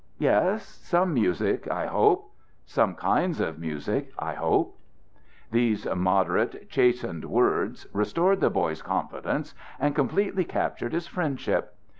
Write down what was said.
Yes, some music, I hope. Some kinds of music, I hope." These moderate, chastened words restored the boy's confidence and completely captured his friendship.